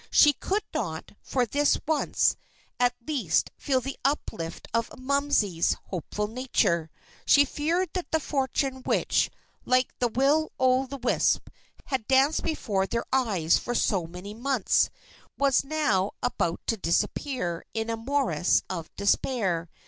She could not, for this once, at least, feel the uplift of "Momsey's" hopeful nature. She feared that the fortune which, like a will o' the wisp, had danced before their eyes for so many months, was now about to disappear in a Morass of Despair.